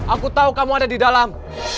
aku tahu kamu ada di dalam